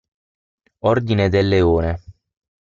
Ordine del Leone